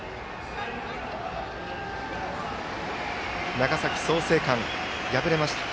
長崎、創成館、敗れました。